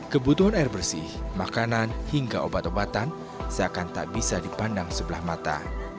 kebutuhan air bersih makanan hingga obat obatan seakan tak bisa dipandang sebelah mata